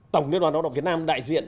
tổng liên đoàn lao động việt nam đại diện